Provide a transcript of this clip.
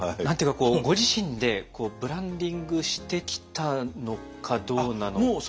何て言うかご自身でブランディングしてきたのかどうなのか。